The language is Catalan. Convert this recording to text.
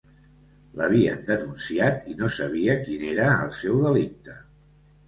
L'havien denunciat i no sabia quin era el seu delicte.